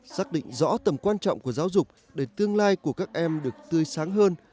xác định rõ tầm quan trọng của giáo dục để tương lai của các em được tươi sáng hơn